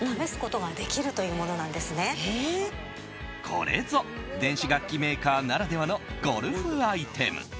これぞ電子楽器メーカーならではのゴルフアイテム。